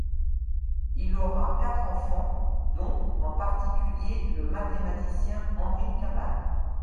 Il aura quatre enfants, dont en particulier le mathématicien Henri Cabannes.